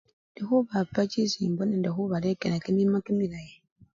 Indi khubapa chisimbo nende khubalekela kimima kimilayi.